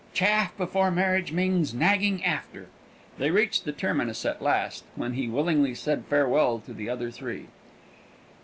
Chaff before marriage means nagging after!" They reached the terminus at last, when he willingly said farewell to the other three.